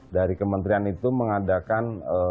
dari kementerian itu mengadakan